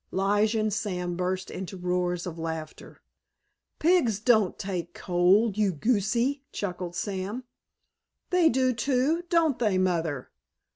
Lige and Sam burst into roars of laughter. "Pigs don't take cold, you goosie!" chuckled Sam. "They do, too, don't they, Mother?"